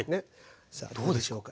さあどうでしょうか。